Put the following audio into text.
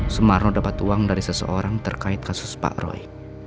sumarno dapat uang dari seseorang terkait kasus pak roy